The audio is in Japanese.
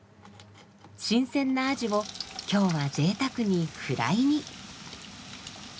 新鮮なアジを今日は贅沢にフライに。